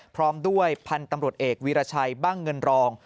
พร้อมด้วยพันธุ์ตำรวจเอกวีรชัยบ้างเงินรอง